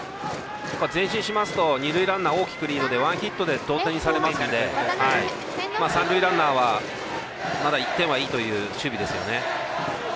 前進しますと二塁ランナー大きくリードでワンヒットで同点にされますので三塁ランナーはまだ１点はいいという守備ですね。